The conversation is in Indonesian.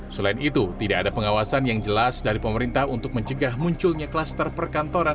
selain itu tidak ada pengawasan yang jelas dari pemerintah untuk mencegah munculnya kluster perkantoran